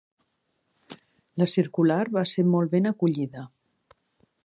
La circular va ser molt ben acollida.